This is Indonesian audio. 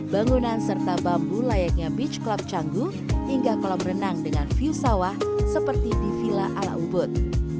bangunan serta bambu layaknya beach club canggu hingga kolam renang dengan view sawah seperti di villa ala ubud